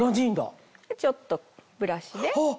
ちょっとブラシで。